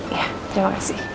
iya terima kasih